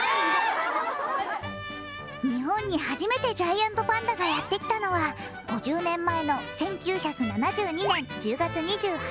日本に初めてジャイアントパンダがやってきたのは、５０年前の１９７２年１２月。